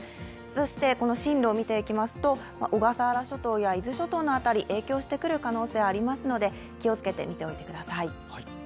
そして、進路を見ていきますと小笠原諸島や伊豆諸島の辺り、影響してくる可能性ありますので気をつけて見ておいてください。